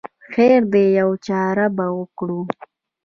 خیر دی یوه چاره به وکړو.